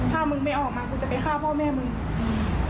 ถ้ามึงไม่ออกมากูจะไปฆ่าพ่อแม่มึงอืม